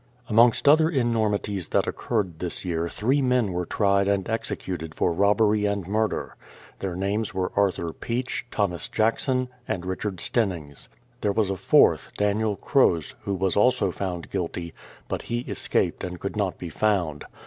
Amongst other enormities that occurred this year three men were tried and executed for robbery and murder. Their names were Arthur Peach, Thomas Jackson, and Richard Stinnings. There was a fourth, Daniel Crose, who was also found guilty, but he escaped and could not be found.